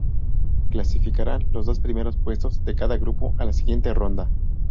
Clasificarán los dos primeros puestos de cada grupo a la siguiente ronda.